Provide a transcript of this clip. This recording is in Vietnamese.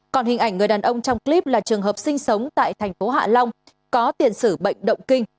còn hình ảnh người đàn ông trong clip là trường hợp sinh sống tại thành phố hạ long có tiền sử bệnh động kinh